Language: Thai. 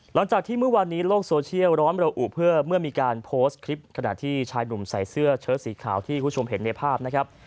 หลังจากที่เมื่อวานนี้โลกโซเชียลร้อนระอุเพื่อเมื่อมีการโพสต์คลิปขณะที่ชายหนุ่มใส่เสื้อเชิดสีขาวที่คุณผู้ชมเห็นในภาพนะครับ